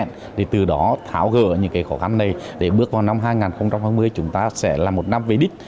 thì từ đó tháo gỡ những cái khó khăn này để bước vào năm hai nghìn hai mươi chúng ta sẽ là một năm về đích